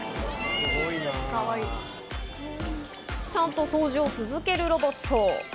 ちゃんと掃除を続けるロボット。